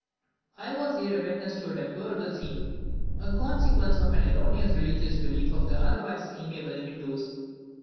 I was here a witness of a deplorable scene, a consequence of an erroneous religious belief of the otherwise amiable Hindoos.